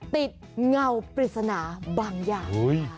เงาปริศนาบางอย่าง